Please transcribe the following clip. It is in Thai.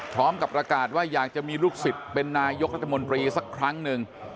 พร้อมกับประกาศว่าอยากจะมีลูกศิษย์เป็นนายกรัฐมนตรีสักครั้งหนึ่ง